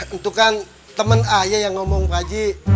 itu kan temen ayah yang ngomong pak ji